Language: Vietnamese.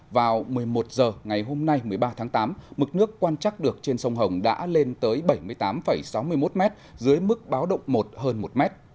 vào một mươi một h ngày hôm nay một mươi ba tháng tám mực nước quan trắc được trên sông hồng đã lên tới bảy mươi tám sáu mươi một m dưới mức báo động một hơn một m